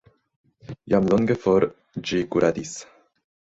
Jam longe for ĝi kuradis.